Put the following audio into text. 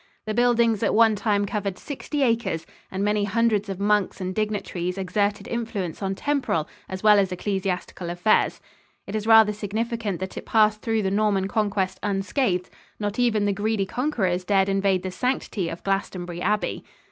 The buildings at one time covered sixty acres, and many hundreds of monks and dignitaries exerted influence on temporal as well as ecclesiastical affairs. It is rather significant that it passed through the Norman Conquest unscathed; not even the greedy conquerors dared invade the sanctity of Glastonbury Abbey.